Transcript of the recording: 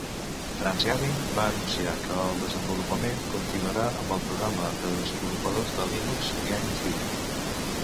TransGaming va anunciar que el desenvolupament continuarà amb el programa de desenvolupadors de Linux GameTree.